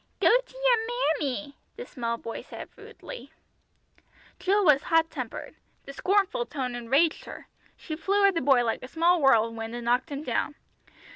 "Go to your mammy!" the small boy said rudely. Jill was hot tempered. The scornful tone enraged her. She flew at the boy like a small whirlwind and knocked him down.